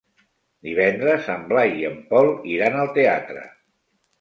Divendres en Blai i en Pol iran al teatre.